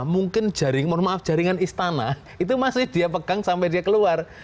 mungkin mohon maaf jaringan istana itu masih dia pegang sampai dia keluar